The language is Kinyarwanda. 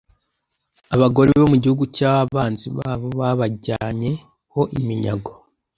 abagore bo mu gihugu cy’abanzi babo babajyanye ho iminyago.